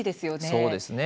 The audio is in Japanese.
そうですね。